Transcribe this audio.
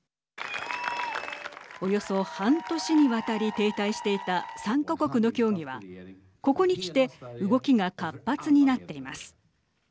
およそ半年にわたり停滞していた３か国の協議はここにきて動きが活発になっています。